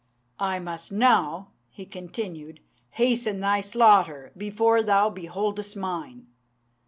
"' "I must now," he continued, "hasten thy slaughter, before thou beholdest mine."